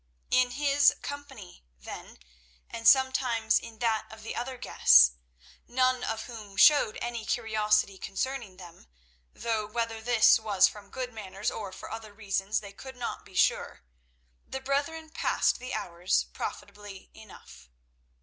In his company, then, and sometimes in that of the other guests— none of whom showed any curiosity concerning them, though whether this was from good manners or for other reasons they could not be sure—the brethren passed the hours profitably enough.